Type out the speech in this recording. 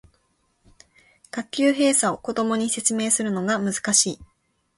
学級閉鎖を子供に説明するのが難しい